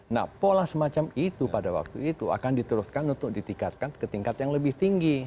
nah pola semacam itu pada waktu itu akan diteruskan untuk ditingkatkan ke tingkat yang lebih tinggi